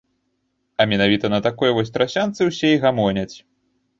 А менавіта на такой вось трасянцы ўсе і гамоняць.